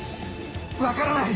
分からない！